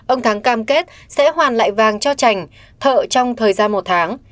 ông thắng cam kết sẽ hoàn lại vàng cho trành thợ trong thời gian một tháng